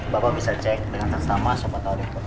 bapak bisa cek dengan tersama sobat audek